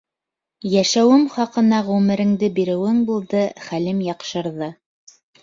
Йәшәүем хаҡына ғүмереңде биреүең булды, хәлем яҡшырҙы.